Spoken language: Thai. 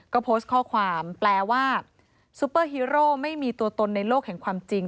ก็โพสต์ข้อความแปลว่าซูเปอร์ฮีโร่ไม่มีตัวตนในโลกแห่งความจริง